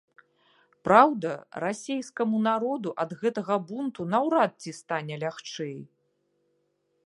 Праўда, расейскаму народу ад гэтага бунту наўрад ці стане лягчэй.